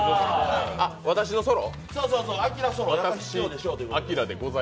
私のソロ。